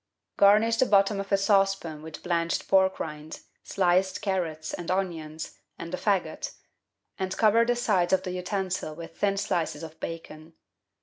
Garnish the bottom of a saucepan with blanched pork rind, sliced carrots and onions, and a faggot, and cover the sides of the utensil with thin slices of bacon.